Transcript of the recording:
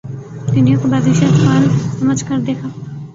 دنیا کو بازیچہ اطفال سمجھ کر دیکھا